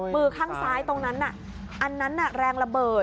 มือข้างซ้ายตรงนั้นอันนั้นแรงระเบิด